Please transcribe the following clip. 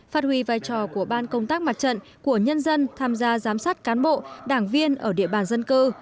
phát huy vai trò của ban công tác mặt trận của nhân dân tham gia giám sát cán bộ đảng viên ở địa bàn dân cư